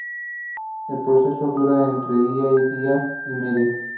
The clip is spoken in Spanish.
El proceso dura entre un día y día y medio.